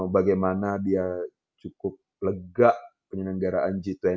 bagaimana dia cukup lega penyelenggaraan g dua puluh